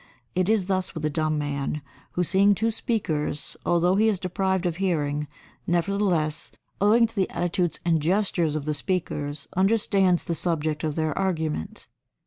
It is thus with a dumb man, who seeing two speakers, although he is deprived of hearing, nevertheless, owing to the attitudes and gestures of the speakers, understands the subject of their argument.